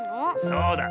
そうだ。